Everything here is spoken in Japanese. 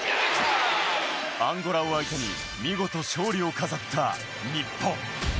アンゴラを相手に見事勝利を飾った日本。